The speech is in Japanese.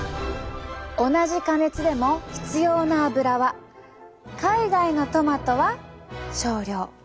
同じ加熱でも必要な油は海外のトマトは少量。